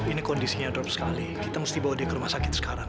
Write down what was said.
ini kondisinya drop sekali kita mesti bawa dia ke rumah sakit sekarang